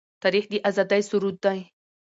تاریخ د آزادۍ سرود دی.